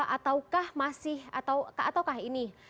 ataukah masih ataukah ini